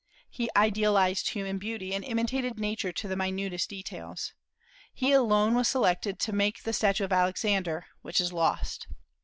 He idealized human beauty, and imitated Nature to the minutest details. He alone was selected to make the statue of Alexander, which is lost.